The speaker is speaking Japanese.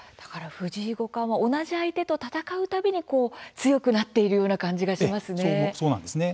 藤井五冠は同じ相手と戦う度に強くなっているような感じがしますね。